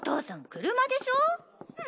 車でしょ！？